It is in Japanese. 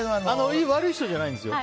悪い人じゃないんですよ。